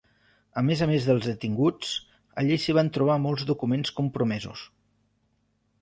A més a més dels detinguts, allí s'hi van trobar molts documents compromesos.